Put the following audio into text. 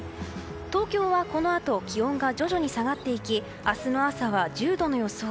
東京は、このあと気温が徐々に下がっていき明日の朝は１０度の予想。